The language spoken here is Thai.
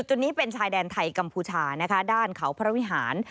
จุดนี้เป็นชายแดนไทยกัมพูชานะคะด้านเขาพระวิหาร